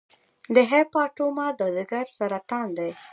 د هیپاټوما د ځګر سرطان دی.